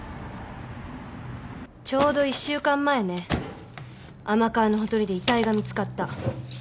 ちょうど１週間前ね天川のほとりで遺体が見つかった。